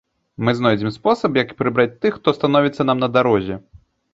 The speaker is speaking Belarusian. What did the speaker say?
Мы знойдзем спосаб, як прыбраць тых, хто становіцца нам на дарозе!